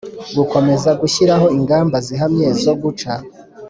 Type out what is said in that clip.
Gukomeza gushyiraho ingamba zihamye zo guca